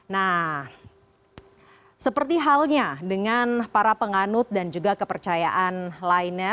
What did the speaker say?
nah seperti halnya dengan para penganut dan juga kepercayaan lainnya